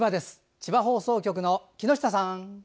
千葉放送局の木下さん。